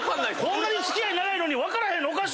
こんなに付き合い長いのに分からへんのおかしいやろ！